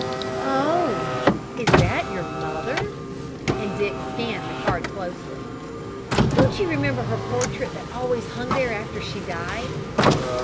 "Oh! Is that your mother?" And Dick scanned the card closely. "Don't you remember her portrait that always hung there after she died?"